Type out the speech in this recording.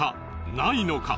ないのか？